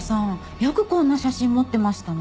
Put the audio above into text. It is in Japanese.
よくこんな写真持ってましたね。